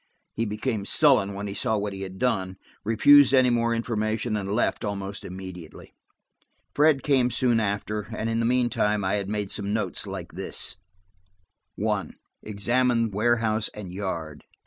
He became sullen when he saw what he had done, refused any more information, and left almost immediately. Fred came soon after, and in the meantime I had made some notes like this: 1. Examine warehouse and yard.